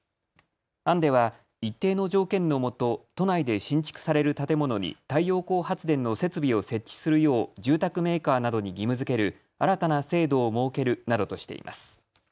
案では一定の条件のもと都内で新築される建物に太陽光発電の設備を設置するよう住宅メーカーなどに義務づける新たな制度を設けるなどとしています。